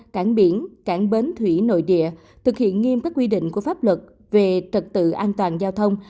cảng biển cảng bến thủy nội địa thực hiện nghiêm các quy định của pháp luật về trật tự an toàn giao thông